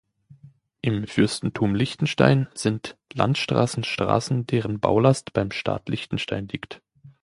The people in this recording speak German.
Im Fürstentum Liechtenstein sind Landstraßen Straßen, deren Baulast beim Staat Liechtenstein liegt.